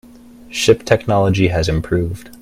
Ship technology has improved.